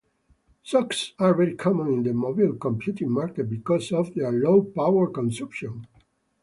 SoCs are very common in the mobile computing market because of their low power-consumption.